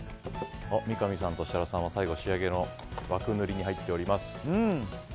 三上さんと設楽さんは最後の仕上げの枠塗りに入っております。